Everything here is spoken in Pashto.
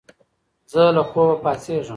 زه له خوبه پاڅېږم.